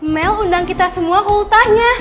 mel undang kita semua ke ultahnya